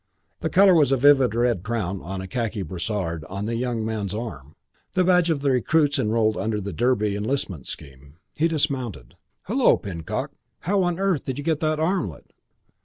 The colour was a vivid red crown on a khaki brassard on the young man's arm. The badge of the recruits enrolled under the Derby enlistment scheme. He dismounted. "Hullo, Pinnock. How on earth did you get that armlet?"